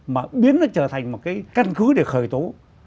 mà biến nó trở thành một cái căn cứ để khởi tố